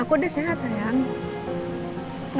aku udah sehat sayang